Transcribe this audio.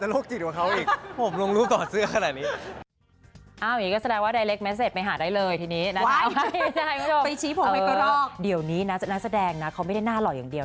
แล้วเราไม่กลัวโรคจิตเหรอแบบว่าอะไรอย่างนี้